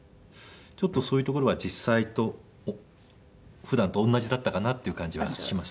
ちょっとそういうところは実際と普段と同じだったかなっていう感じはします。